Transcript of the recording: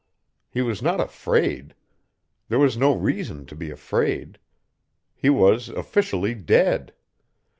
He was not afraid. There was no reason to be afraid. He was officially dead.